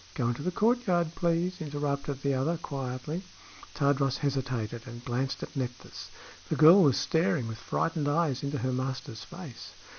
"Go into the courtyard, please," interrupted the other, quietly. Tadros hesitated and glanced at Nephthys. The girl was staring with frightened eyes into her master's face.